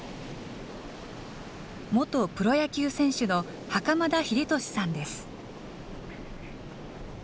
元プロ野球選手の袴田英利さんです。